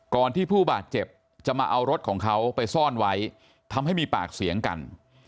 ที่ผู้บาดเจ็บจะมาเอารถของเขาไปซ่อนไว้ทำให้มีปากเสียงกัน